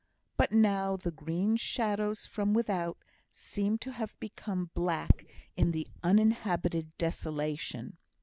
But now the green shadows from without seemed to have become black in the uninhabited desolation.